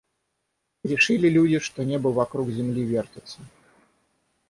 И решили люди, что небо вокруг земли вертится.